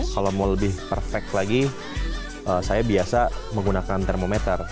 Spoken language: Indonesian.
kalau mau lebih perfect lagi saya biasa menggunakan termometer